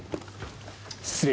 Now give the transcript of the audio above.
失礼。